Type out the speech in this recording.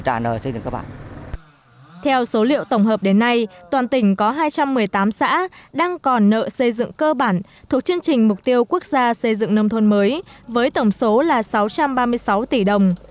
theo số liệu tổng hợp đến nay toàn tỉnh có hai trăm một mươi tám xã đang còn nợ xây dựng cơ bản thuộc chương trình mục tiêu quốc gia xây dựng nông thôn mới với tổng số là sáu trăm ba mươi sáu tỷ đồng